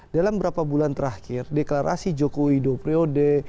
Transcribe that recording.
dalam berapa bulan terakhir deklarasi jokowi do priode